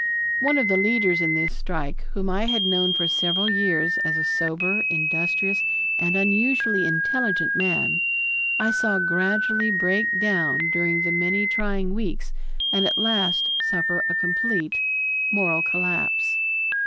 One of the leaders in this strike, whom I had known for several years as a sober, industrious, and unusually intelligent man, I saw gradually break down during the many trying weeks and at last suffer a complete moral collapse.